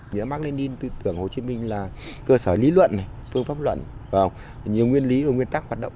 nghĩa mark lenin tư tưởng hồ chí minh là cơ sở lý luận từ pháp luận vào nhiều nguyên lý và nguyên tắc hoạt động